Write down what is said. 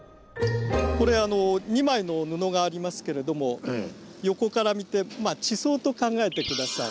これ２枚の布がありますけれども横から見てまあ地層と考えて下さい。